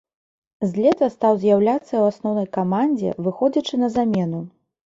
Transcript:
З лета стаў з'яўляцца ў асноўнай камандзе, выходзячы на замену.